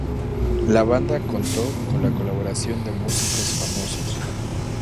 La banda contó con la colaboración de músicos famosos.